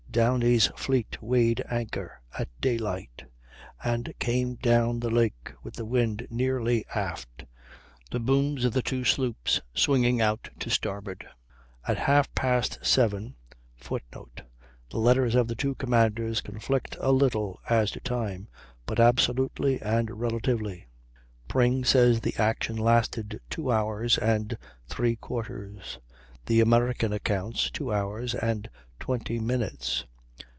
Downie's fleet weighed anchor at daylight, and came down the lake with the wind nearly aft, the booms of the two sloops swinging out to starboard. At half past seven, [Footnote: The letters of the two commanders conflict a little as to time, both absolutely and relatively. Pring says the action lasted two hours and three quarters, the American accounts, two hours and twenty minutes.